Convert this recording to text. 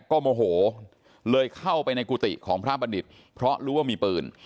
ก็โมโหเลยเข้าไปในกุฏิของพระบัณฑิตเพราะรู้ว่ามีปืน